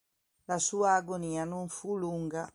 La sua agonia non fu lunga.